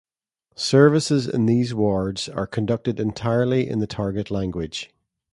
Services in these wards are conducted entirely in the target language.